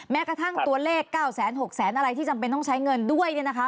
แม้กระทั่งตัวเลข๙๖๐๐๐อะไรที่จำเป็นต้องใช้เงินด้วยเนี่ยนะคะ